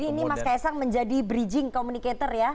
jadi ini mas kaisang menjadi bridging communicator ya